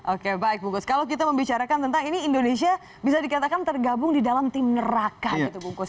oke baik bungkus kalau kita membicarakan tentang ini indonesia bisa dikatakan tergabung di dalam tim neraka gitu bungkus